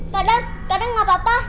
kak adam kak adam gak apa apa